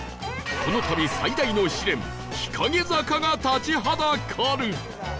この旅最大の試練日陰坂が立ちはだかる！